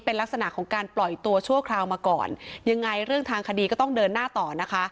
เป็นลักษณะของการปล่อยตัวชั่วคราวมาก่อนยังไงเรื่องทางคดีก็ต้องเดินหน้าต่อนะคะ